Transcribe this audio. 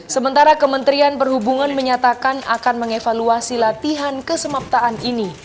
sementara kementerian perhubungan menyatakan akan mengevaluasi latihan kesemaptaan ini